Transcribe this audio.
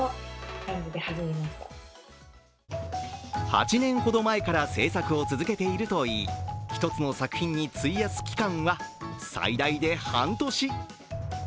８年ほど前から制作を続けているといい１つの作品に費やす期間は最大で半年。